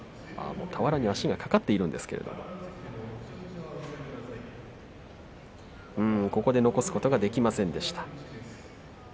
俵に足が掛かっているんですけれどもここで残すことができませんでした。